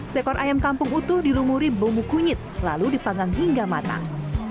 seekor ayam kampung utuh dilumuri bumbu kunyit lalu dipanggang hingga matang